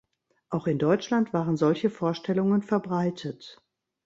Auch in Deutschland waren solche Vorstellungen verbreitet.